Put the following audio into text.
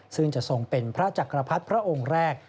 ซึ่งจะทรงเป็นพระจักรพรรดิพระองค์แรก